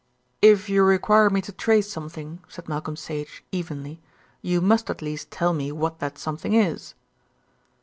"If you require me to trace something," said Malcolm Sage evenly, "you must at least tell me what that something is."